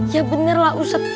ya bener lah ustaz